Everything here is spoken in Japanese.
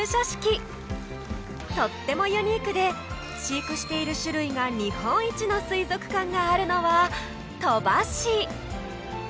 とってもユニークで飼育している種類が日本一の水族館があるのは鳥羽市！